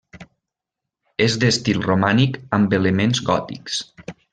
És d'estil romànic amb elements gòtics.